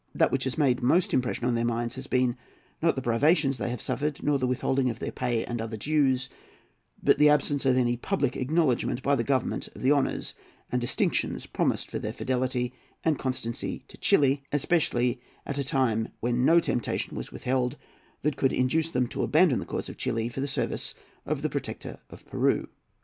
That which has made most impression on their minds has been, not the privations they have suffered, nor the withholding of their pay and other dues, but the absence of any public acknowledgment by the Government of the honours and distinctions promised for their fidelity and constancy to Chili; especially at a time when no temptation was withheld that could induce them to abandon the cause of Chili for the service of the Protector of Peru.